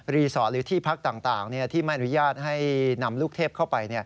สอดหรือที่พักต่างที่ไม่อนุญาตให้นำลูกเทพเข้าไป